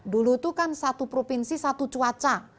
dulu itu kan satu provinsi satu cuaca